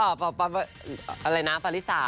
อะอะไรนะปวริสา